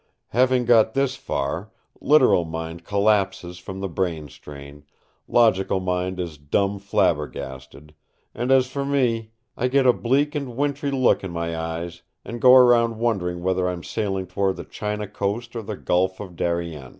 Having got this far, literal mind collapses from the brain strain, logical mind is dumb flabbergasted; and as for me, I get a bleak and wintry look in my eyes and go around wondering whether I am sailing toward the China coast or the Gulf of Darien.